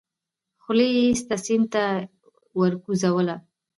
خولۍ يې ايسته سيند ته يې وگوزوله.